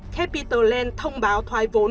capitol plain thông báo thoái vốn